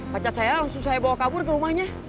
pajak saya langsung saya bawa kabur ke rumahnya